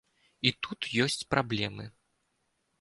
І тут ёсць праблемы.